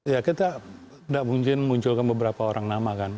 ya kita tidak mungkin munculkan beberapa orang nama kan